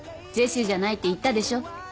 ジェシーじゃないって言ったでしょ。